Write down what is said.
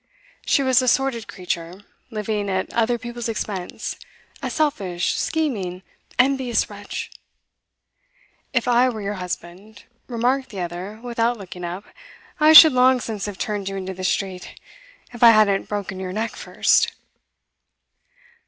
She was a sordid creature, living at other people's expense, a selfish, scheming, envious wretch 'If I were your husband,' remarked the other without looking up, 'I should long since have turned you into the street if I hadn't broken your neck first.